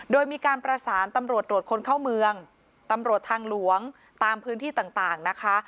โดยมีการประสานตำรวจตรวจคนเข้าเมืองตำรวจทางหลวงตามพื้นที่ต่างนะคะ